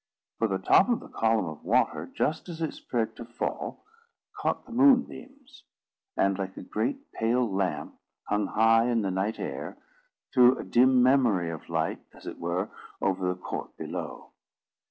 For the top of the column of water, just as it spread to fall, caught the moonbeams, and like a great pale lamp, hung high in the night air, threw a dim memory of light (as it were) over the court below.